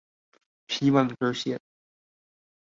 希望之線